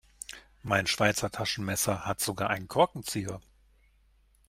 Mein Schweizer Taschenmesser hat sogar einen Korkenzieher.